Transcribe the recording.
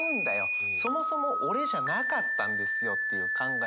そもそも俺じゃなかったんですよっていう考え